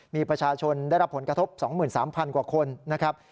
มีประชาชนได้รับผลกระทบ๒๓๐๐กว่าคนนะครับ